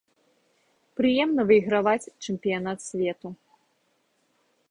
Прыемна выйграваць чэмпіянат свету.